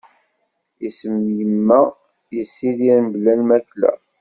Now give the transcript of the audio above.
Isem "yimma", yessidir mebla lmakla.